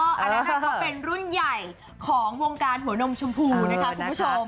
อันนั้นเขาเป็นรุ่นใหญ่ของวงการหัวนมชมพูนะคะคุณผู้ชม